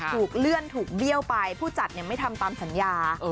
ถูกเลื่อนถูกเบี้ยวไปผู้จัดไม่ทำตามสัญญา